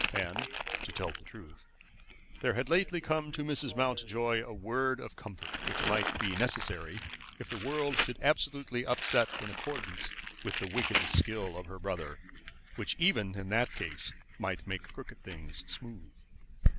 And, to tell the truth, there had lately come to Mrs. Mountjoy a word of comfort, which might be necessary if the world should be absolutely upset in accordance with the wicked skill of her brother, which even in that case might make crooked things smooth.